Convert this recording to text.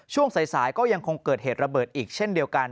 ช่วงสายก็ยังคงเกิดเหตุระเบิดอีกเช่นเดียวกัน